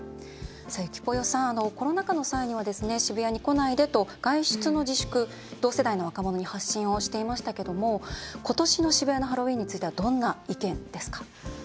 ゆきぽよさん、コロナ禍の際には渋谷に来ないでと外出の自粛、同世代の若者に発信していましたけども今年の渋谷のハロウィーンについてはどんな意見ですか？